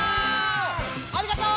ありがとう！